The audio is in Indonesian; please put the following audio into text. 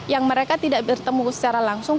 yang mereka tidak bertemu secara langsung